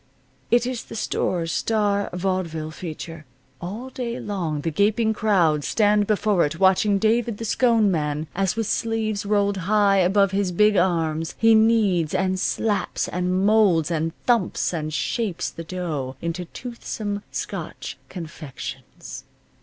It is the store's star vaudeville feature. All day long the gaping crowd stands before it, watching David the Scone Man, as with sleeves rolled high above his big arms, he kneads, and slaps, and molds, and thumps and shapes the dough into toothsome Scotch confections.